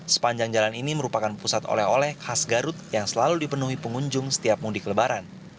sepanjang jalan ini merupakan pusat oleh oleh khas garut yang selalu dipenuhi pengunjung setiap mudik lebaran